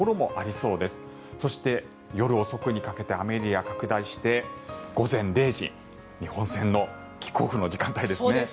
そして、夜遅くにかけて雨エリア拡大して午前０時、日本戦のキックオフの時間帯ですね。